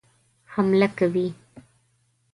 حمله کوي.